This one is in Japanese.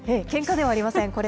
けんかではありません。